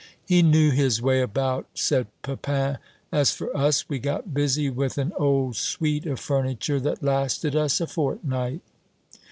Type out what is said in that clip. "He knew his way about," said Pepin. "As for us, we got busy with an old suite of furniture that lasted us a fortnight."